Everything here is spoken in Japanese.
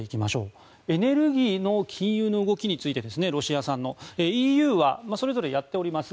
ロシア産のエネルギーの禁輸の動きについてＥＵはそれぞれやっております